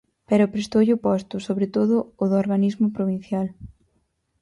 Pero prestoulle o posto, sobre todo o do organismo provincial.